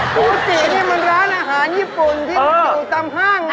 ปูตินี่มันร้านอาหารญี่ปุ่นที่อยู่ตามห้าง